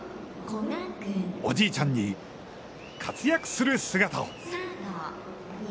おじいちゃんに活躍する姿を。